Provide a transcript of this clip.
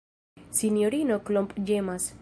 Sinjorino Klomp ĝemas.